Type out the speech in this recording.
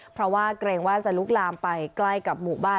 เพราะว่าเกรงว่าจะลุกลามไปใกล้กับหมู่บ้าน